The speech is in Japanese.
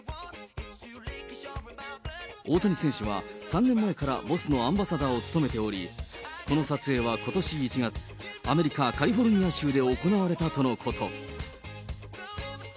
大谷選手は、３年前からＢＯＳＳのアンバサダーを務めており、この撮影はことし１月、アメリカ・カリフォルニア州で行われたとのこと。